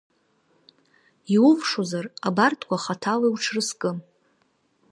Иулшозар, абарҭқәа хаҭала уҽрызкы.